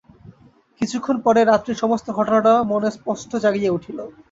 কিছুক্ষণ পরেই রাত্রির সমস্ত ঘটানাটা মনে স্পষ্ট জাগিয়া উঠিল।